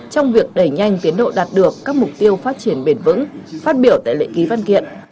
trong việc đẩy nhanh tiến độ đạt được các mục tiêu phát triển bền vững phát biểu tại lễ ký văn kiện